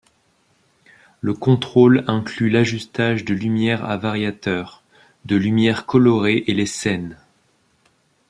Le contrôle inclut l’ajustage de lumières à variateur, de lumières colorées et les scènes.